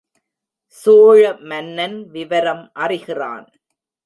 சோழ மன்னன் விவரம் அறிகிறான்.